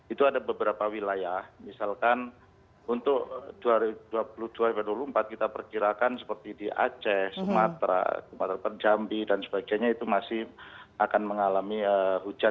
itu ada beberapa wilayah misalkan untuk dua ribu dua puluh dua sampai dua ribu dua puluh empat kita perkirakan seperti di aceh sumatera per jambi dan sebagainya itu masih akan mengalami hujan